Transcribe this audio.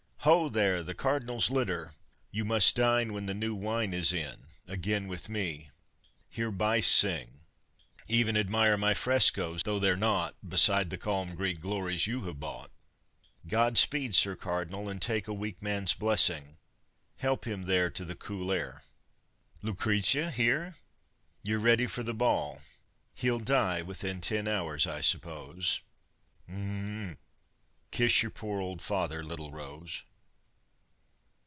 Ho there, the Cardinal's litter! You must dine When the new wine Is in, again with me hear Bice sing, Even admire my frescoes though they're nought Beside the calm Greek glories you have bought! Godspeed, Sir Cardinal! And take a weak man's blessing! Help him there To the cool air! ... Lucrezia here? You're ready for the ball? He'll die within ten hours, I suppose Mhm! Kiss your poor old father, little rose!